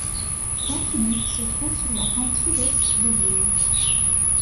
Saint-Philippe se trouve sur la pointe sud-est de l'île.